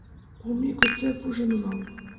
Кум ий годсек ужын онал